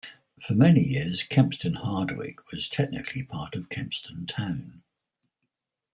For many years Kempston Hardwick was technically part of Kempston town.